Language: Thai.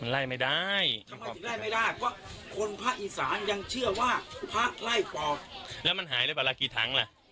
แล้วมันหายแล้วป่ะละกี่ถังละ